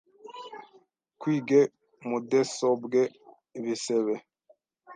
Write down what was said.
kwige mudesobwe bisebe